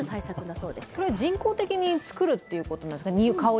それは人工的に香りを作るということですか？